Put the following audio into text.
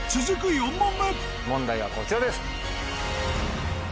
４問目問題はこちらです。